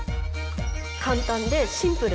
簡単でシンプル。